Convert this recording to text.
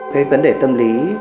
cái vấn đề tâm lý